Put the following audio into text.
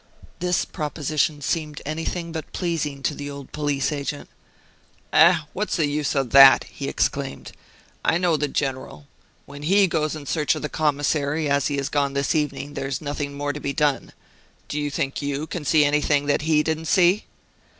This proposition seemed anything but pleasing to the old police agent. "Eh! what is the use of that?" he exclaimed. "I know the General. When he goes in search of the commissary, as he has gone this evening, there is nothing more to be done. Do you think you can see anything that he didn't see?"